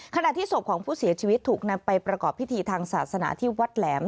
ขณะที่ศพของผู้เสียชีวิตถูกนำไปประกอบพิธีทางศาสนาที่วัดแหลม